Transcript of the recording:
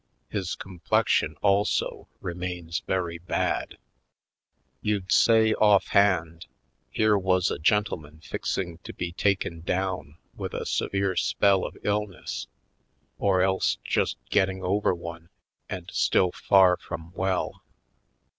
His complex ion also remains very bad. You'd say, off hand, here was a gentleman fixing to be taken down with a severe spell of illness, or else just getting over one and still far from well.